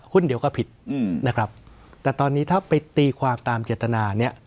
เดียวก็ผิดนะครับแต่ตอนนี้ถ้าไปตีความตามเจตนาเนี่ย